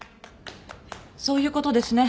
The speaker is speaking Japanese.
そういうことですね？